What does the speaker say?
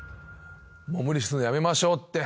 無理するのやめましょうって。